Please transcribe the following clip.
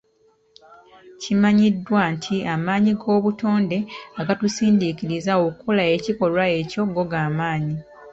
Kimanyiddwa nti amaanyi g'obutonde agatusindiikiriza okukola ekikolwa ekyo go gamaanyi.